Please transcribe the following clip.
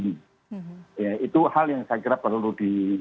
yaudah itu halin saya kira perlu dikentam